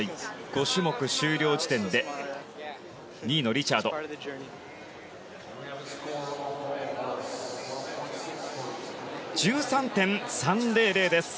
５種目終了時点で２位のリチャード。１３．３００です。